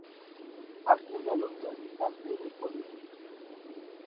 Acude a los traficantes del pueblo.